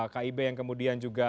kib yang kemudian juga